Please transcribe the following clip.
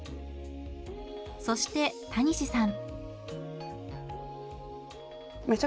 そしてたにしさん。